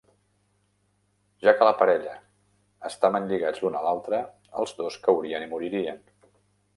Ja que la parella estaven lligats l'un a l'altre, els dos caurien i moririen.